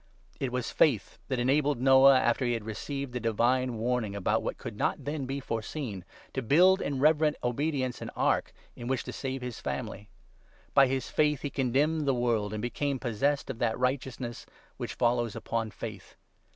It was faith that enabled Noah, after he had received the divine warning about what could not then be foreseen, to build, in reverent obedience, an ark in which to save his family. By his faith he condemned the world, and became possessed of that righteousness which follows upon faith.